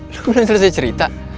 lo belum selesai cerita